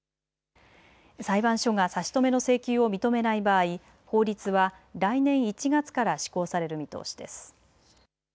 裁判所が差し止めの請求を認めない場合、法律は来年１月から施行される見通しです。